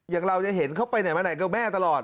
อย่างเราจะเห็นเขาไปไหนมาไหนกับแม่ตลอด